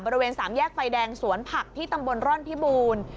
บริเวณสามแยกไฟแดงสวนผักที่ตำบลร่อนพิบูรณ์